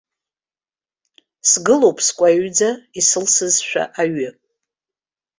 Сгылоуп скәаҩӡа, исылсызшәа аҩы.